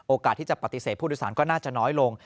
ที่จะปฏิเสธผู้โดยสารก็น่าจะน้อยลง